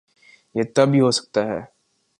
یہ تب ہی ہو سکتا ہے۔